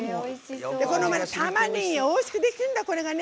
たまねぎがおいしくできんだ、これがね。